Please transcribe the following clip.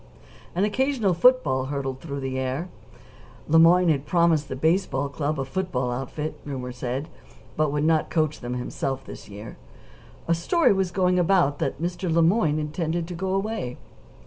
An occasional football hurtled through the air. Le Moyne had promised the baseball club a football outfit, rumor said, but would not coach them himself this year. A story was going about that Mr. Le Moyne intended to go away.